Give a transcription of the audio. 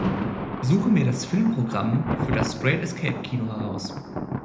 Suche mir das Filmprogramm für das Great Escape Kino heraus